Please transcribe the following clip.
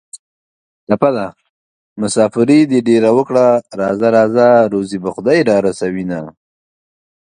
ټپه ده: مسافري دې ډېره وکړه راځه راځه روزي به خدای را رسوینه